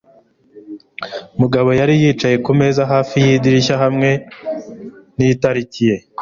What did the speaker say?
Mugabo yari yicaye kumeza hafi yidirishya hamwe nitariki ye.